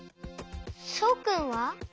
そうくんは？